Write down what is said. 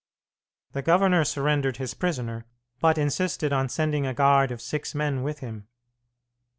The governor surrendered his prisoner, but insisted on sending a guard of six men with him.